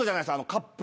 カップ。